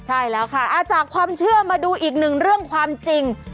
ใช่แล้วค่ะจากความเชื่อมาดูอีกหนึ่งเรื่องความจริง